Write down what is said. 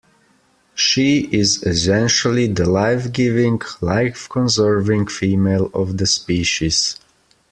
She is essentially the life-giving, life-conserving female of the species.